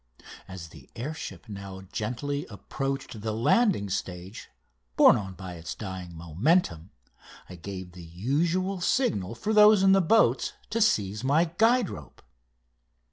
As the air ship now gently approached the landing stage, borne on by its dying momentum, I gave the usual signal for those in the boats to seize my guide rope.